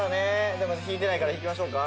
でも引いてないから引きましょうか。